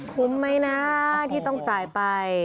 คุ้มไหมนะที่ต้องจ่ายไป